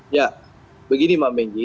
ya begini mbak menji